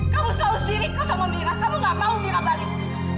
kamu selalu siriko sama mirah kamu nggak mau mirah balik